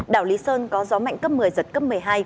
đảo lý sơn có gió mạnh cấp một mươi giật cấp một mươi hai